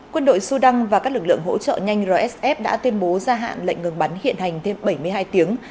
quân đội sudan và các lực lượng hỗ trợ nhanh rsf đã tuyên bố gia hạn lệnh ngừng bắn hiện hành thêm bảy mươi hai tiếng